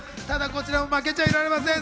こちらも負けちゃいられません。